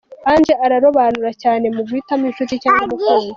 Ange ararobanura cyane mu guhitamo inshuti cg umukunzi.